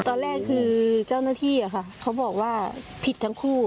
ตอนแรกคือเจ้าหน้าที่อะค่ะเขาบอกว่าผิดทั้งคู่